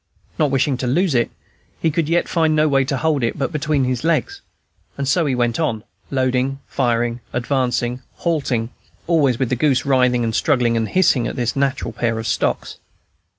Not wishing to lose it, he could yet find no way to hold it but between his legs; and so he went on, loading, firing, advancing, halting, always with the goose writhing and struggling and hissing in this natural pair of stocks.